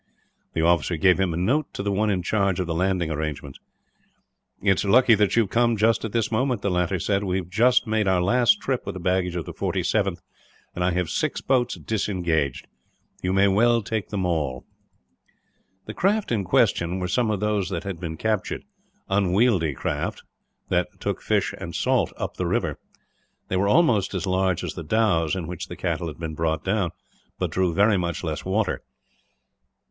The officer gave him a note to the one in charge of the landing arrangements. "It is lucky that you have come just at this moment," the latter said. "We have just made our last trip with the baggage of the 47th, and I have six boats disengaged. You may as well take them all." The craft in question were some of those that had been captured unwieldy craft, that took fish and salt up the river. They were almost as large as the dhows in which the cattle had been brought down, but drew very much less water.